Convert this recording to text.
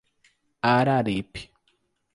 Araripe